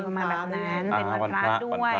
มาแบบนั้นเป็นวันพระด้วย